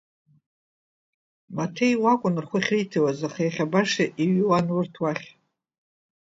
Маҭеи уа акәын рхәы ахьриҭауаз, аха иахьа баша иҩуан урҭ уахь.